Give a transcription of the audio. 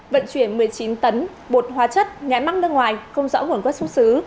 vận chuyển một mươi chín tấn bột hóa chất nhãn măng nước ngoài không rõ nguồn gốc xuất xứ